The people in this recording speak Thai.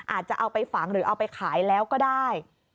อาจจะเอาไปฝังหรือเอาไปขายแล้วก็ได้